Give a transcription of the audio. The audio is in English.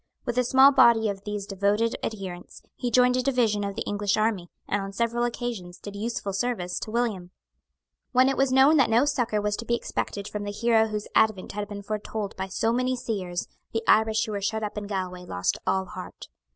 With a small body of these devoted adherents, he joined a division of the English army, and on several occasions did useful service to William. When it was known that no succour was to be expected from the hero whose advent had been foretold by so many seers, the Irish who were shut up in Galway lost all heart.